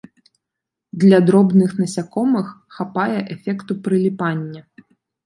Для дробных насякомых хапае эфекту прыліпання.